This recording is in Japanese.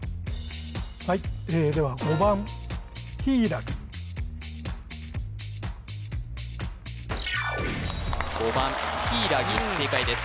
はいでは５番ひいらぎ正解です